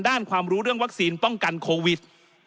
ความรู้เรื่องวัคซีนป้องกันโควิด